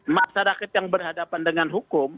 masyarakat yang berhadapan dengan hukum